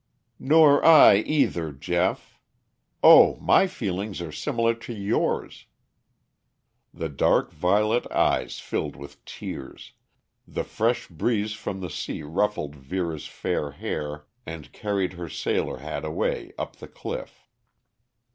"Nor I either, Geoff. Oh, my feelings are similar to yours!" The dark violet eyes filled with tears, the fresh breeze from the sea ruffled Vera's fair hair and carried her sailor hat away up the cliff.